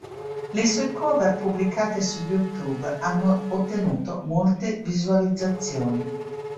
Le sue cover pubblicate su YouTube hanno ottenuto molte visualizzazioni.